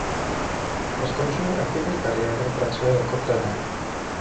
Po skončení aktivní kariéry pracuje jako trenér.